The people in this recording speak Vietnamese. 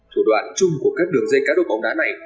thủ đoạn chung của các đường dây cá độ bóng đá này